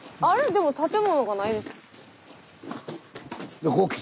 でも建物がない。